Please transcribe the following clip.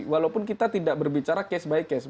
walaupun kita tidak berbicara case by case